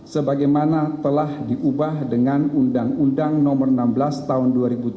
sebagaimana telah diubah dengan undang undang nomor enam belas tahun dua ribu tujuh belas